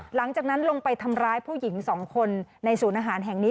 หลังจากนั้นลงไปทำร้ายผู้หญิงสองคนในศูนย์อาหารแห่งนี้